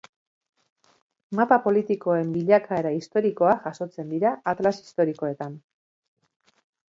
Mapa politikoen bilakaera historikoa jasotzen dira atlas historikoetan.